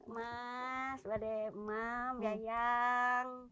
mas badek mam yayang